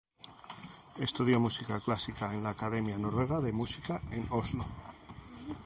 Estudió música clásica en la Academia Noruega de Música, en Oslo.